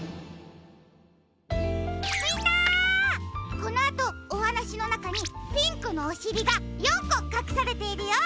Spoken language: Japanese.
このあとおはなしのなかにピンクのおしりが４こかくされているよ。